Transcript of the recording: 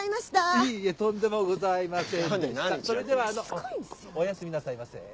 それではおやすみなさいませ。